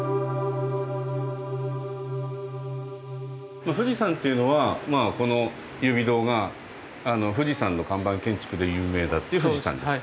まあ富士山っていうのはまあこの優美堂が富士山の看板建築で有名だっていう富士山です。